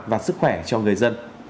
và sức khỏe cho người dân